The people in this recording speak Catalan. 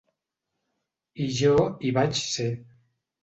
I jo hi vaig ser.